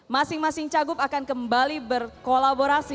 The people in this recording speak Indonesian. masing masing cagup akan kembali berkolaborasi